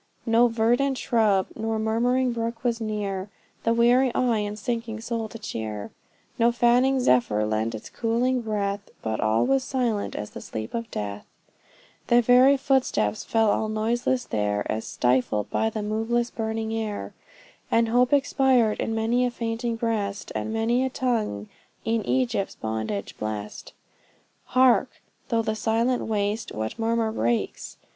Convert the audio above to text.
No verdant shrub, nor murmuring brook was near, The weary eye and sinking soul to cheer; No fanning zephyr lent its cooling breath, But all was silent as the sleep of death; Their very footsteps fell all noiseless there As stifled by the moveless, burning air; And hope expired in many a fainting breast, And many a tongue e'en Egypt's bondage blest. Hark! through the silent waste, what murmur breaks?